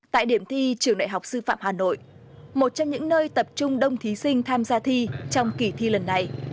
tại điểm thi trường đại học sư phạm hà nội một trong những nơi tập trung đông thí sinh tham gia thi trong kỳ thi lần này